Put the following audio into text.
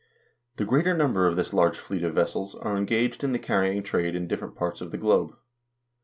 The greater number of this large fleet of vessels are engaged in the carrying trade in different parts of the globe.